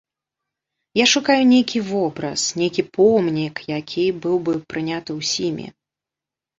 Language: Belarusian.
Я шукаю нейкі вобраз, нейкі помнік, які быў бы прыняты ўсімі.